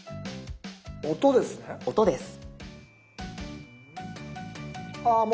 「音」ですね。